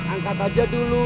angkat aja dulu